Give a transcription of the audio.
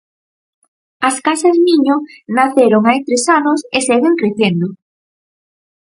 As Casas Niño naceron hai tres anos e seguen crecendo.